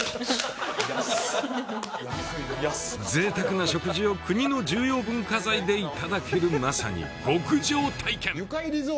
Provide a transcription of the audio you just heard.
贅沢な食事を国の重要文化財でいただけるまさに極上体験！